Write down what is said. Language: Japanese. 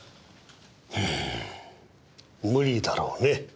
うーん無理だろうね。